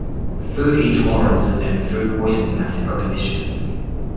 Food intolerances and food poisoning are separate conditions.